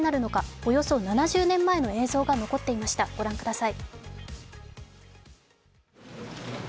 およそ７０年前の映像が残っていました、ご覧ください。